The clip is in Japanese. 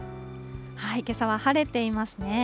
けさは晴れていますね。